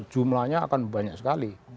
jumlahnya akan banyak sekali